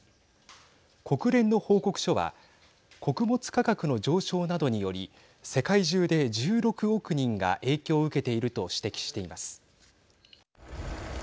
国連の報告書は穀物価格の上昇などにより世界中で１６億人が影響を受けていると指摘しています。